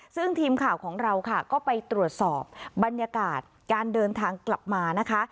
ซึ่งทีมข่าวของเราค่ะก็ไปตรวจสอบบรรยากาศการเดินทางกลับมานะคะ